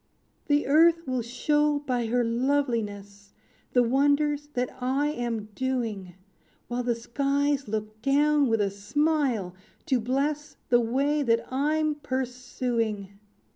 "The earth will show by her loveliness, The wonders that I am doing; While the skies look down with a smile, to bless The way that I'm pursuing!"